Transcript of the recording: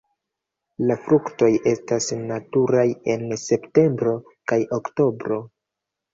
La fruktoj estas maturaj en septembro kaj oktobro.